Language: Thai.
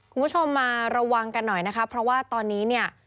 คุณผู้ชมมาระวังกันหน่อยนะคะเพราะว่าตอนนี้เนี่ย